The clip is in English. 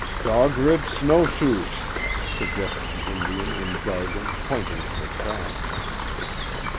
"Dog Rib snowshoes," suggested the Indian in jargon, pointing to the tracks.